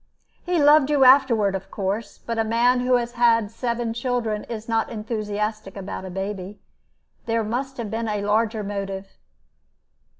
"He loved you afterward, of course. But a man who has had seven children is not enthusiastic about a baby. There must have been a larger motive."